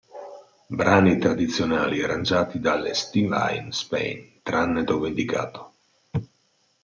Brani tradizionali arrangiati dagli Steeleye Span, tranne dove indicato